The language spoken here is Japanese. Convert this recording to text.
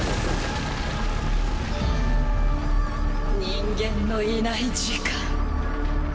人間のいない時間。